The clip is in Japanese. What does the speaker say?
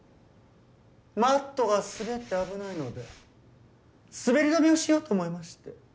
マットが滑って危ないので滑り止めをしようと思いまして。